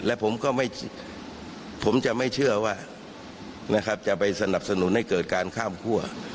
และผมก็ไม่ผมจะไม่เชื่อว่านะครับจะไปสนับสนุนให้เกิดการข้ามคั่ว